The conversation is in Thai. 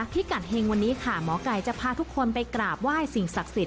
พิกัดเฮงวันนี้ค่ะหมอไก่จะพาทุกคนไปกราบไหว้สิ่งศักดิ์สิท